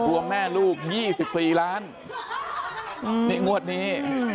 แม่ลูก๒๔ล้านนี่งวดนี้